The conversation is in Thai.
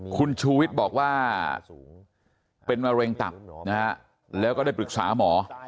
คุณชูวิทย์บอกว่าเป็นมะเร็งตับนะฮะแล้วก็ได้ปรึกษาหมอ